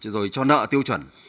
rồi cho nợ tiêu chuẩn